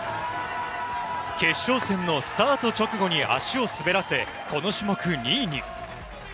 決勝戦のスタート直後に足を滑らせ、この種目２位に。